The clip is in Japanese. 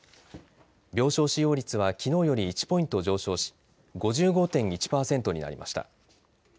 病床使用率はきのうより１ポイント上昇し５５．１％になりました。